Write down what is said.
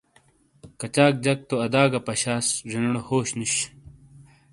کچاک جک تو ادا گہ پشاس جینوڑے ہوش نوش۔